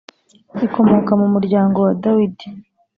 ikomoka mu muryango wa Dawidi